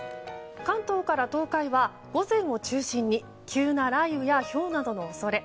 関東から東海は午前を中心に急な雷雨やひょうなどの恐れ。